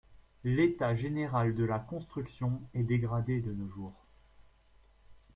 L’état général de la construction est dégradé de nos jours.